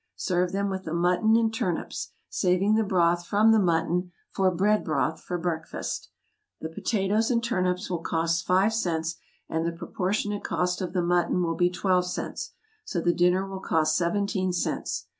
Serve them with the mutton and turnips, saving the broth from the mutton for BREAD BROTH for breakfast. The potatoes and turnips will cost five cents, and the proportionate cost of the mutton will be twelve cents; so the dinner will cost seventeen cents.